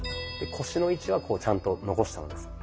腰の位置はちゃんと残したままです。